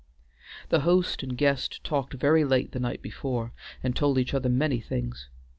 The host and guest talked very late the night before, and told each other many things.